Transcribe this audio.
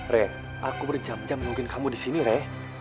re aku berjam jam nungguin kamu di sini re